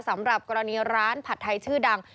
สำหรับกรณีร้านผัดไทยชื่อดัง